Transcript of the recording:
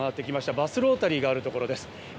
バスロータリーがあるところです。